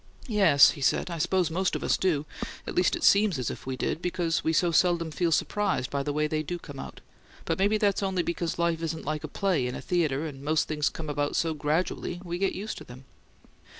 "Yes," he said. "I suppose most of us do; at least it seems as if we did, because we so seldom feel surprised by the way they do come out. But maybe that's only because life isn't like a play in a theatre, and most things come about so gradually we get used to them."